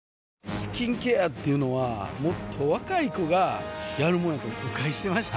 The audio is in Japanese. スキンケアっていうのはもっと若い子がやるもんやと誤解してました